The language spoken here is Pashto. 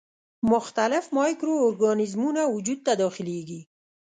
مختلف مایکرو ارګانیزمونه وجود ته داخليږي.